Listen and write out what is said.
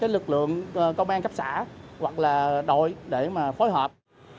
lực lượng công an cấp xã hoặc là đội để phối hợp